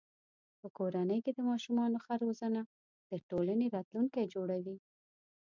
په کورنۍ کې د ماشومانو ښه روزنه د ټولنې راتلونکی جوړوي.